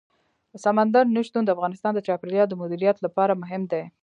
سمندر نه شتون د افغانستان د چاپیریال د مدیریت لپاره مهم دي.